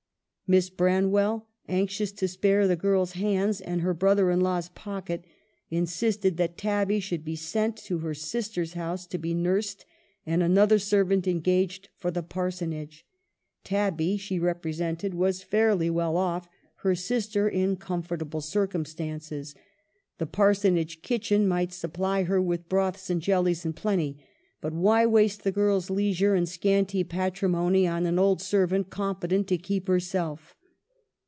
Miss Branwell, anxious to spare the girls' hands and her brother in law's pocket, insisted that Tabby should be sent to her sister's house to be nursed and another ser vant engaged for the Parsonage. Tabby, she represented, was fairly well off, her sister in com 88 EMILY BRONTE. fortable circumstances ; the Parsonage kitchen might supply her with broths and jellies in plenty, but why waste the girls' leisure and scanty patrimony on an old servant competent to keep herself.